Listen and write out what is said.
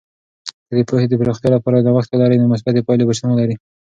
که د پوهې د پراختیا لپاره نوښت ولرئ، نو مثبتې پایلې به شتون ولري.